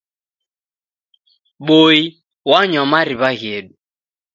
Boi wanywa mariw'a ghedu.